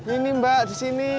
ini mbak di sini